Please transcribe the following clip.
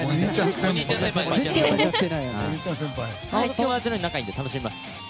友達のように仲がいいので楽しみます。